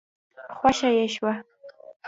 خوښه يې شوه.